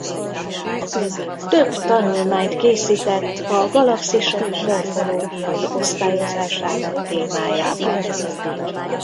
Több tanulmányt készített a galaxisok morfológiai osztályozásának témájában.